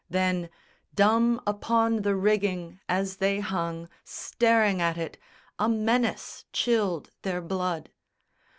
Then, dumb upon the rigging as they hung Staring at it, a menace chilled their blood.